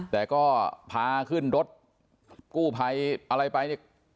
แต่ก็พาขึ้นรถกู้ภัยอะไรไปเนี่ย